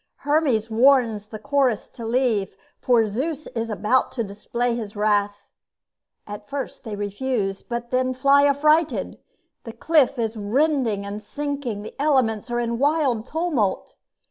Hermes warns the Chorus to leave, for Zeus is about to display his wrath. At first they refuse, but then fly affrighted: the cliff is rending and sinking, the elements are in wild tumult.